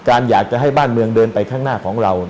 อยากจะให้บ้านเมืองเดินไปข้างหน้าของเรา